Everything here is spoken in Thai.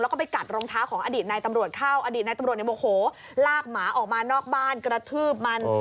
แล้วก็ไปกัดรองเท้าของอดีตนายตำรวจเข้าอดีตนายตำรวจเนี่ยโมโหลากหมาออกมานอกบ้านกระทืบมัน